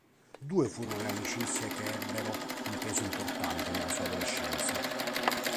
Due furono le amicizie che ebbero un peso importante nella sua adolescenza.